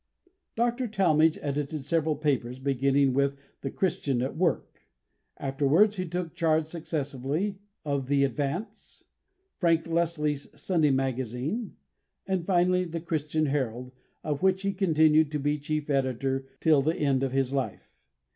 Dr. Talmage edited several papers beginning with The Christian at Work; afterwards he took charge, successively, of the Advance, Frank Leslie's Sunday Magazine, and finally The Christian Herald, of which he continued to be chief editor till the end of his life.